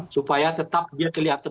supaya tetap dia kelihatan